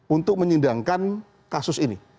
untuk menyindangkan kasus ini